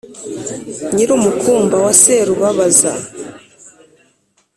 Nyirumukumba wa Serubabaza